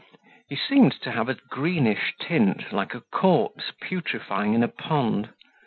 He seemed to have a greenish tint like a corpse putrefying in a pond.